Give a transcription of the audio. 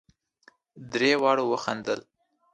درې واړو وخندل.